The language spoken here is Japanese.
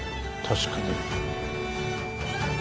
確かに。